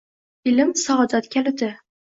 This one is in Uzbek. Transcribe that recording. Ilm - saodat kaliting